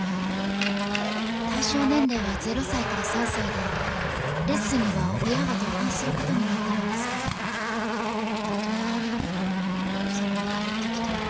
対象年齢は０歳から３歳でレッスンには親が同伴することになってるんですけど夫はそこに通ってきているママと関係を持っているみたいなんです。